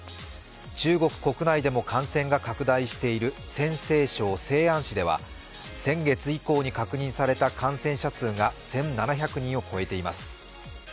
中国国内でも感染が拡大している陜西省西安市では先月以降に確認された感染者数が１７００人を超えています。